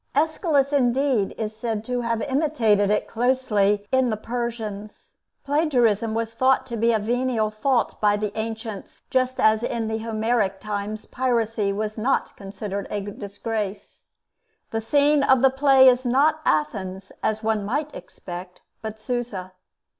Aeschylus, indeed, is said to have imitated it closely in the 'Persians.' Plagiarism was thought to be a venial fault by the ancients, just as in the Homeric times piracy was not considered a disgrace. The scene of the play is not Athens, as one might expect, but Susa.